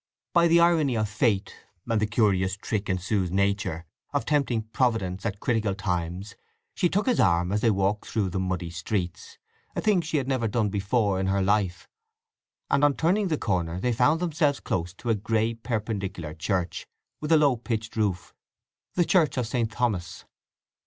By the irony of fate, and the curious trick in Sue's nature of tempting Providence at critical times, she took his arm as they walked through the muddy street—a thing she had never done before in her life—and on turning the corner they found themselves close to a grey perpendicular church with a low pitched roof—the church of St. Thomas.